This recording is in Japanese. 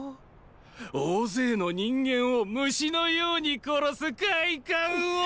大勢の人間を虫のように殺す快感を！